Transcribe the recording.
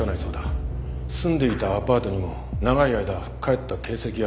住んでいたアパートにも長い間帰った形跡がない。